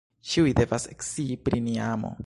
Ĉiuj devas ekscii pri nia amo.